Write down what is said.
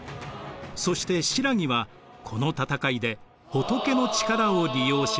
そして新羅はこの戦いで「仏」の力を利用しました。